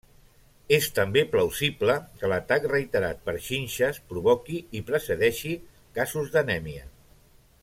És també plausible que l'atac reiterat per xinxes provoqui i precedeixi casos d'anèmia.